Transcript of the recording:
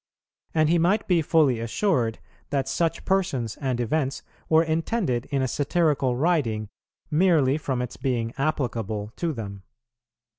And he might be fully assured that such persons and events were intended in a satirical writing, merely from its being applicable to them.